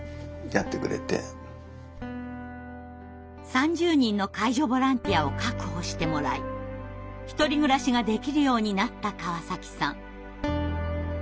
３０人の介助ボランティアを確保してもらい１人暮らしができるようになった川崎さん。